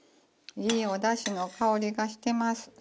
いいおだしの香りがしてます。